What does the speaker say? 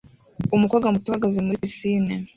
Umukobwa muto uhagaze muri pisine